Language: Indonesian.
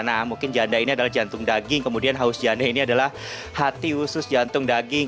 nah mungkin janda ini adalah jantung daging kemudian haus janda ini adalah hati usus jantung daging